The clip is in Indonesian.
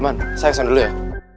yaitu komedian dari iva